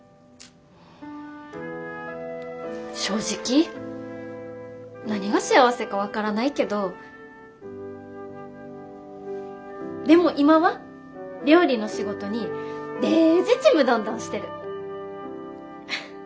正直何が幸せか分からないけどでも今は料理の仕事にデージちむどんどんしてる！